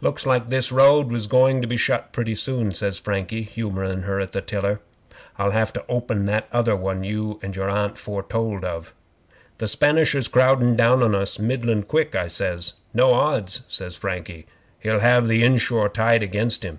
'"Looks like this road was going to be shut pretty soon," says Frankie, humourin' her at the tiller. "I'll have to open that other one your Aunt foretold of." '"The Spanisher's crowdin' down on us middlin' quick," I says. "No odds," says Frankie, "he'll have the inshore tide against him.